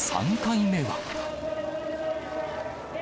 ３回目は。